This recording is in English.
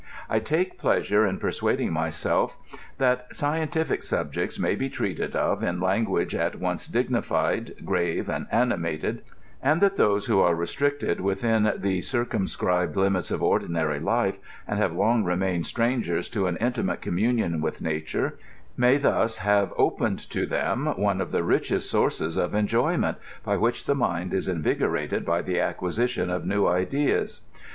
I take pleasare in persuading myself that scien tific subjects may be treated of in language at once dignified, grave, and animated, and that those who are restricted with in the circumscribed limits of ordinary life, and have long re mained strangers to an intimate communion with nature, may thus have opened to them one of the richest sources of enjoyment, by which the mind is invigorated by the acquisi tion oirnew ideas.